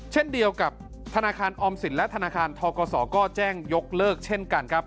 เช่นเดียวกับธนาคารออมสินและธนาคารทกศก็แจ้งยกเลิกเช่นกันครับ